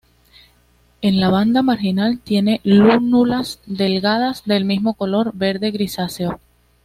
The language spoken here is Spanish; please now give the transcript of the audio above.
En la banda marginal, tiene lúnulas delgadas del mismo color, verde grisáceo.